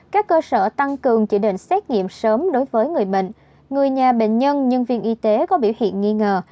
các cơ sở tăng cường chỉ định xét nghiệm sớm đối với người bệnh người nhà bệnh nhân nhân viên y tế có biểu hiện nghi ngờ